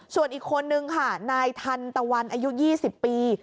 ส่วนอีกคนนึงค่ะนายทันตะวันอายุ๒๐ปี